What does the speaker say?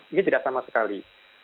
ini tidak sama sekali